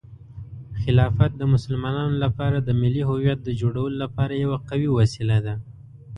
خلافت د مسلمانانو لپاره د ملي هویت د جوړولو لپاره یوه قوي وسیله ده.